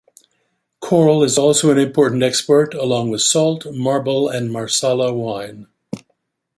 Coral is also an important export, along with salt, marble, and marsala wine.